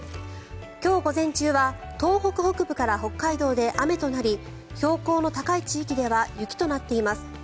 今日午前中は東北北部から北海道で雨となり標高の高い地域では雪となっています。